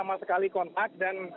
lalu ini di siapkan atau di lakukan